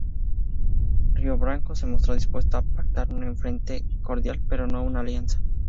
Río Branco se mostró dispuesto a pactar una entente cordial, pero no una alianza.